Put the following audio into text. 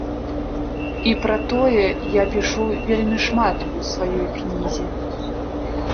І пра тое я пішу вельмі шмат у сваёй кнізе.